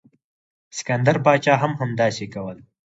سکندر پاچا هم همداسې کول.